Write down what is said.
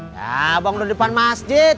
ya banguda depan masjid